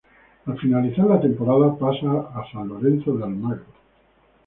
Al finalizar la temporada, pasa a San Lorenzo de Almagro.